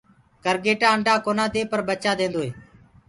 ڪَرگيٽآ انڊآ ڪونآ دي پر ڀچآ ديدو هي۔